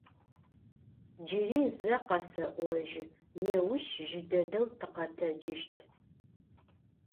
Cıri ze khese'ojı, nêuş jı dedeu tıkhetecışt.